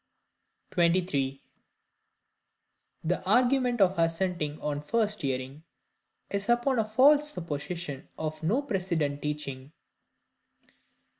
23. The Argument of assenting on first hearing, is upon a false supposition of no precedent teaching.